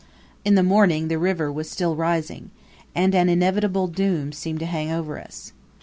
In the morning the river was still rising, and an inevitable doom seemed to hang over us.